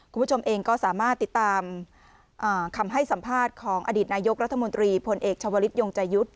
คุณผู้ชมเองก็สามารถติดตามคำให้สัมภาษณ์ของอดีตนายกรัฐมนตรีพลเอกชาวลิศยงใจยุทธ์